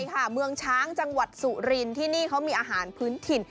เมืองช้างจังหวัดสุรินที่นี่เขามีอาหารพื้นถิ่น